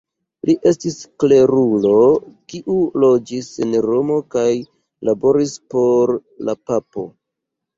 Li estis klerulo kiu loĝis en Romo kaj laboris por la papo.